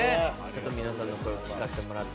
皆さんの声を聞かせてもらって。